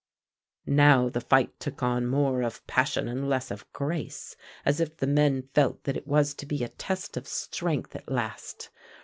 Now the fight took on more of passion and less of grace, as if the men felt that it was to be a test of strength at last.